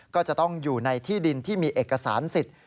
ก็จะต้องอยู่ในที่ดินที่มีเอกสารสิทธิ์